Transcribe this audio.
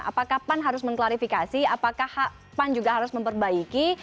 apakah pan harus mengklarifikasi apakah pan juga harus memperbaiki